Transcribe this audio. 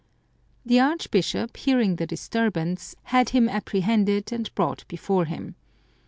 The archbishop, hearing the disturbance, had him apprehended and brought before him.